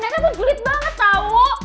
mereka tuh julid banget tau